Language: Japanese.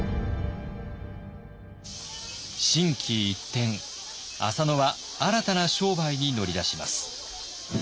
心機一転浅野は新たな商売に乗り出します。